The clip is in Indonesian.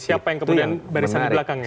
siapa yang kemudian barisan di belakangnya